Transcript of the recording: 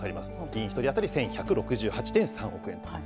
議員１人当たり１１６８．３億円と。